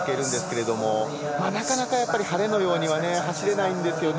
なかなか晴れのようには走れないんですよね。